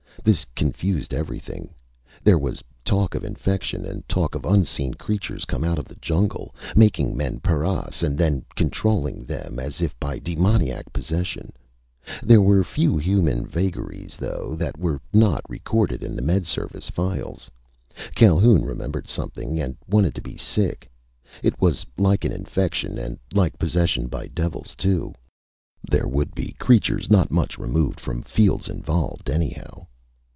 This confused everything. There was talk of infection, and talk of unseen creatures come out of the jungle, making men paras and then controlling them as if by demoniac possession. There were few human vagaries, though, that were not recorded in the Med Service files. Calhoun remembered something, and wanted to be sick. It was like an infection, and like possession by devils, too. There would be creatures not much removed from fields involved, anyhow.